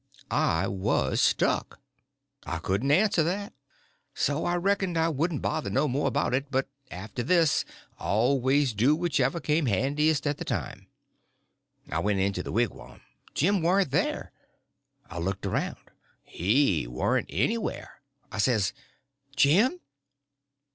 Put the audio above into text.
I was stuck. I couldn't answer that. So I reckoned I wouldn't bother no more about it, but after this always do whichever come handiest at the time. I went into the wigwam; Jim warn't there. I looked all around; he warn't anywhere. I says: "Jim!"